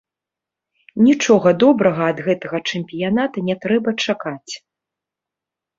Нічога добрага ад гэтага чэмпіяната не трэба чакаць.